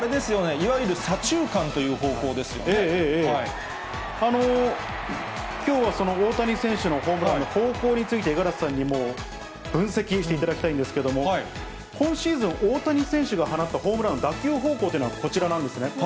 いわゆる左中きょうはその大谷選手のホームランの方向について、五十嵐さんにも分析していただきたいんですけれども、今シーズン、大谷選手が放ったホームランの打球方向というのは、こちらなんですね。